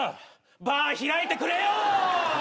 バー開いてくれよ！